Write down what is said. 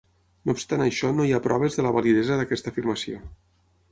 No obstant això no hi ha proves de la validesa d'aquesta afirmació.